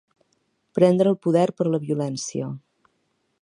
Prendre el poder per la violència.